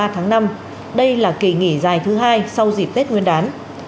tháng năm đây là kỳ nghỉ dài thứ hai sau dịp tết nguyên đán